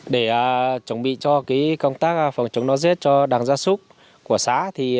để chuẩn bị cho công tác phòng chống đói rét cho đàn gia súc của xã